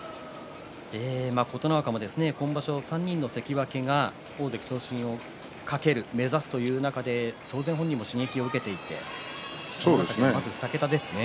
琴ノ若も今場所３人の関脇が大関昇進を懸ける目指すという中で当然、本人も刺激を受けていて２桁ですね。